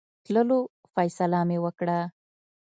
تللو فیصله مې وکړه.